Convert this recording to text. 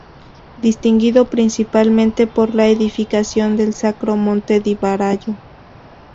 Distinguido principalmente por la edificación del Sacro Monte di Varallo.